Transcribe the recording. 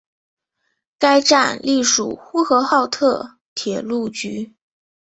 该站隶属呼和浩特铁路局。